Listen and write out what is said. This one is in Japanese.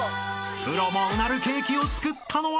［プロもうなるケーキを作ったのは？］